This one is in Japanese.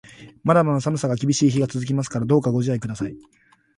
まだまだ寒さが厳しい日が続きますから、どうかご自愛ください。